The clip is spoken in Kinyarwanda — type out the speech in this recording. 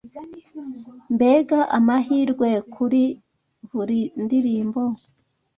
Mbega amahirwe kuri buri ndirimbo